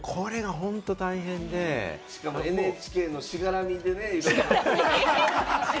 これが本当に大変で、しかも、ＮＨＫのしがらみでね。